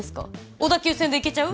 小田急線で行けちゃう？